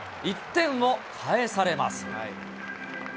１点を返されます。